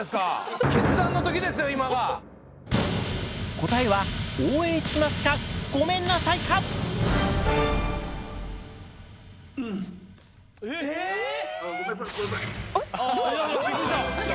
答えは「応援します」か「ごめんなさい」か⁉え⁉びっくりした。